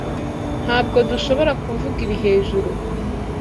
Ntabwo dushobora kuvuga ibi hejuru?